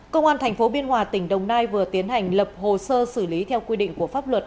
công an tp biên hòa tỉnh đồng nai vừa tiến hành lập hồ sơ xử lý theo quy định của pháp luật